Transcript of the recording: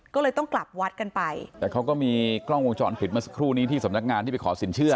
ก็เลยต้องกลับวัดกันไปแต่เขาก็มีกล้องวงจรปิดเมื่อสักครู่นี้ที่สำนักงานที่ไปขอสินเชื่อ